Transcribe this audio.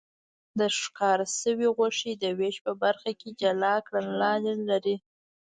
د ښکار شوې غوښې د وېش په برخه کې جلا کړنلارې لري.